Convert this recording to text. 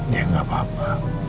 ya gak apa apa